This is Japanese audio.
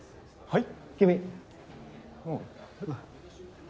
はい。